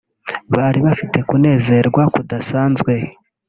Bari bafite kunezerwa kudasanzwe